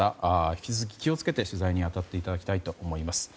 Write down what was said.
引き続き気を付けて取材に当たっていただきたいと思います。